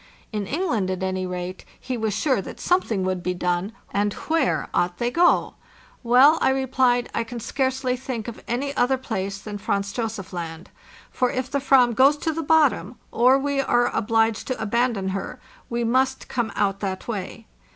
In England, at any rate, he was sure that something would be done—and where ought they to go? "Well," I replied, "I can scarcely think of any kes cae 2 SA ARRIVAL AT HAMMERFEST other place than Franz Josef Land; for if the Fram goes to the bottom, or we are obliged to abandon her, we must come out that way.